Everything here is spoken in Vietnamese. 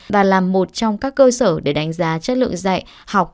và là một trong các cơ sở để đánh giá chất lượng dạy học